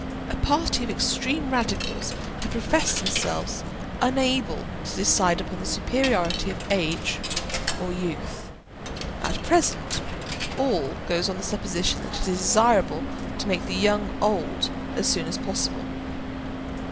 A party of extreme radicals have professed themselves unable to decide upon the superiority of age or youth. At present all goes on the supposition that it is desirable to make the young old as soon as possible.